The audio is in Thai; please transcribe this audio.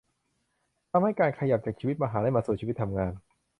ทำให้การขยับจากชีวิตมหาลัยมาสู่ชีวิตทำงาน